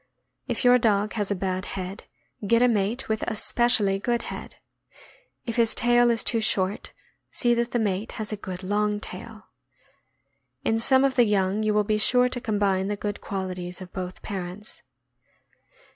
If your dog has a bad head, get a mate with a specially good head. If his tail is too short, see that the mate has a good long tail. In some of the young you will be sure to combine the good qualities of both parents.